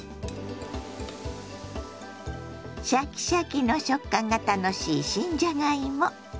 シャキシャキの食感が楽しい新じゃがいも。